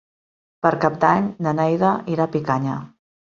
Per Cap d'Any na Neida irà a Picanya.